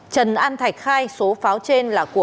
trần an thạch khai số pháo trên là của